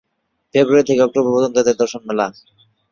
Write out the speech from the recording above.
ফেব্রুয়ারি থেকে অক্টোবর পর্যন্ত এদের দর্শন মেলে।